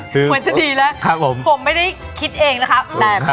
เหมือนจะดีแล้วผมไม่ได้คิดเองนะครับ